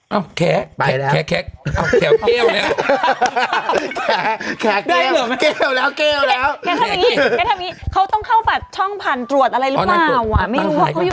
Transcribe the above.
เอ้าแข่แข่แข่เอ้าแข่แก้วเนี้ย